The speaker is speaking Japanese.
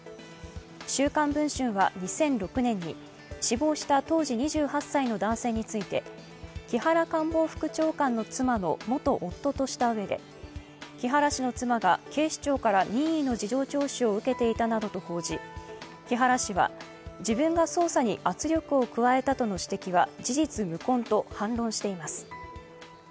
「週刊文春」は２００６年に死亡した当時２８歳の男性について木原官房副長官の妻の元夫としたうえで木原氏の妻が警視庁から任意の事情聴取を受けていたなどと報じ、木原氏は自分が捜査に圧力を加えたとの指摘は事実無根と反論しています。